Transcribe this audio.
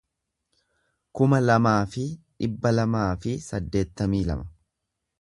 kuma lamaa fi dhibba lamaa fi saddeettamii lama